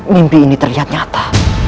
mimpi ini terlihat nyata